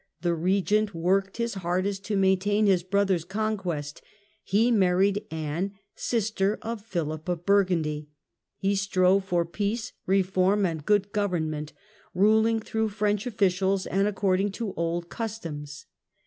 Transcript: The Regent worked his hardest to maintain his brother's conquest. He married Anne, sister of Philip of Burgundy ; he strove for peace, reform and good government, ruHng Battle of through French ofhcials and according to old customs.